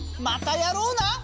またやろうな！